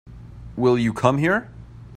Will you come here?